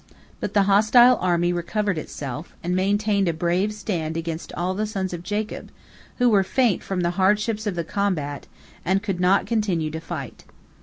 But the hostile army recovered itself, and maintained a brave stand against all the sons of Jacob, who were faint from the hardships of the combat, and could not continue to fight.